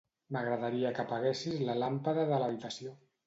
M'agradaria que apaguessis la làmpada de l'habitació.